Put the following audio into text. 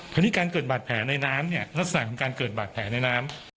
คราวนี้การเกิดบาดแผลในน้ำเนี่ยลักษณะของการเกิดบาดแผลในน้ำ